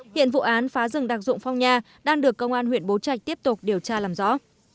hiện vụ án phá rừng đặc dụng phong nha đang được công an huyện bố trạch tiếp tục điều tra làm rõ